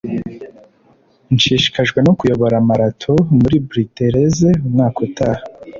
nshishikajwe no kuyobora marato muri bildersee umwaka utaha